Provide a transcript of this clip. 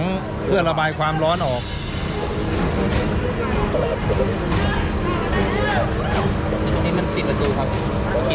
พริษปะตูเราก็ลงไม่ได้